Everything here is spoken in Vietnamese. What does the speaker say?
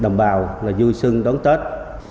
đồng bào là vui sưng đón tết